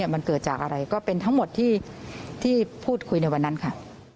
มันเกิดจากอะไรก็เป็นทั้งหมดที่พูดคุยในวันนั้นค่ะ